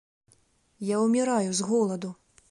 Я ўміраю з голаду.